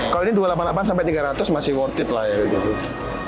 kalau ini dua ratus delapan puluh delapan sampai tiga ratus masih worth it lah ya gitu